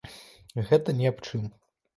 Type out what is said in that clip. Гэта ні аб чым.